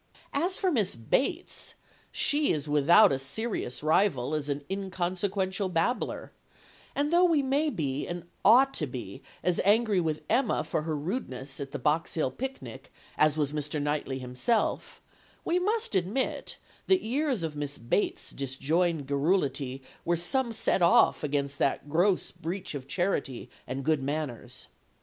As for Miss Bates, she is without a serious rival as an inconsequential babbler, and though we may be, and ought to be, as angry with Emma for her rudeness at the Box Hill picnic as was Mr. Knightley himself, we must admit that years of Miss Bates's disjoined garrulity were some set off against that gross breach of charity and good manners.